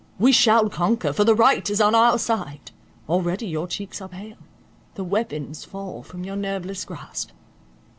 We shall conquer, for the right is on our side; already your cheeks are pale—the weapons fall from your nerveless grasp.